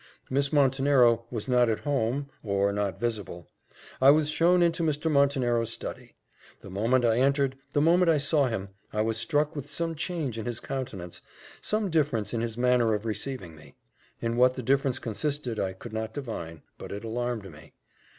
Miss Montenero was not at home, or not visible. I was shown into Mr. Montenero's study. The moment I entered, the moment I saw him, I was struck with some change in his countenance some difference in his manner of receiving me. In what the difference consisted, I could not define; but it alarmed me.